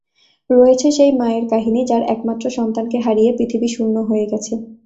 রয়েছে সেই মায়ের কাহিনি, যার একমাত্র সন্তানকে হারিয়ে পৃথিবী শূন্য হয়ে গেছে।